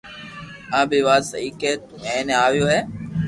آ بي وات سھي ڪي تو ايئي آويو ھي